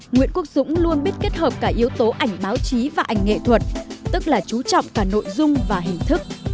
nguyễn quốc dũng luôn biết kết hợp cả yếu tố ảnh báo chí và ảnh nghệ thuật tức là chú trọng cả nội dung và hình thức